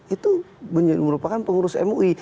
itu merupakan pengurus mui